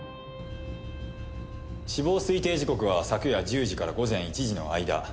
死亡推定時刻は昨夜１０時から午前１時の間。